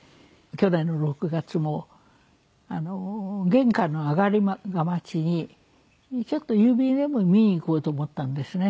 去年の６月も玄関の上がり框にちょっと郵便でも見に行こうと思ったんですね。